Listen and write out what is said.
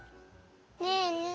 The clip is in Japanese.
ねえねえ。